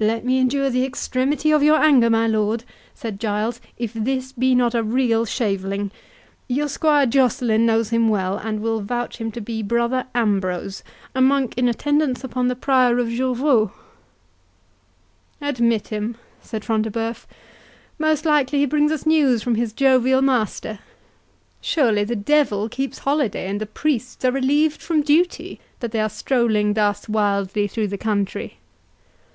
"Let me endure the extremity of your anger, my lord," said Giles, "if this be not a real shaveling. Your squire Jocelyn knows him well, and will vouch him to be brother Ambrose, a monk in attendance upon the Prior of Jorvaulx." "Admit him," said Front de Bœuf; "most likely he brings us news from his jovial master. Surely the devil keeps holiday, and the priests are relieved from duty, that they are strolling thus wildly through the country.